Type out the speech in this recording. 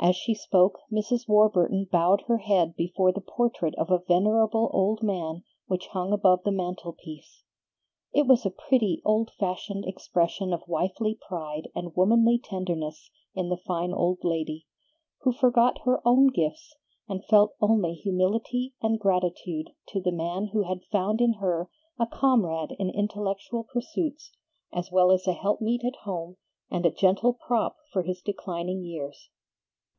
As she spoke, Mrs. Warburton bowed her head before the portrait of a venerable old man which hung above the mantel piece. It was a pretty, old fashioned expression of wifely pride and womanly tenderness in the fine old lady, who forgot her own gifts, and felt only humility and gratitude to the man who had found in her a comrade in intellectual pursuits, as well as a helpmeet at home and a gentle prop for his declining years.